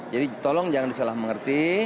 jadi tolong jangan disalah mengerti